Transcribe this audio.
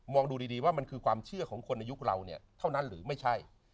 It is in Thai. ดูดีว่ามันคือความเชื่อของคนในยุคเราเนี่ยเท่านั้นหรือไม่ใช่